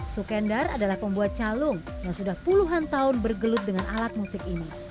sukendar adalah pembuat calung yang sudah puluhan tahun bergelut dengan alat musik ini